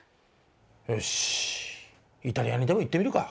よしイタリアにでも行ってみるか。